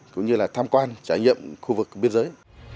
cũng như là tham quan trải nghiệm khu vực biên giới